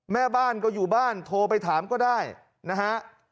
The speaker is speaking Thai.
แม่บ้านก็อยู่บ้านโทรไปถามก็ได้นะฮะ